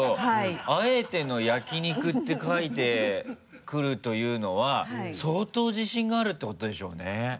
「あえての焼肉」って書いてくるというのは相当自信があるってことでしょうね。